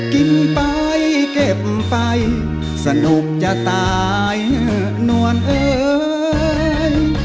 กินไปเก็บไปสนุกจะตายเหนือกนวลเอ้ย